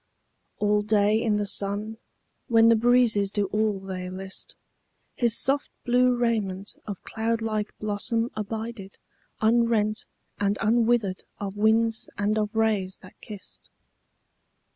All day in the sun, when the breezes do all they list, His soft blue raiment of cloudlike blossom abided Unrent and unwithered of winds and of rays that kissed.